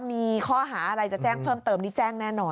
มีข้อหาอะไรจะแจ้งเพิ่มเติมนี่แจ้งแน่นอน